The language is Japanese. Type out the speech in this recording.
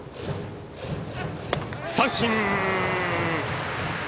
三振！